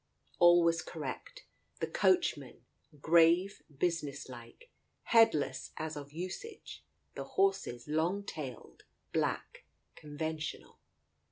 All was correct, the coachman, grave, business like, headless as of usage, the horses long tailed, black, conventional.